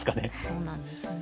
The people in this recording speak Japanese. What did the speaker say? そうなんですね。